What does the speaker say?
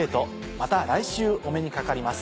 また来週お目にかかります。